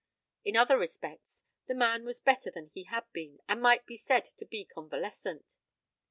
In other respects, the man was better than he had been, and might be said to be convalescent.